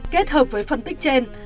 kết hợp với phân tích trên